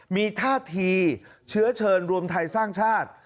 มีท่าทีเชื้อเชิญรวมไทยสร้างชาติ